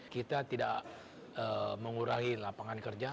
kita tidak mengurangi lapangan kerja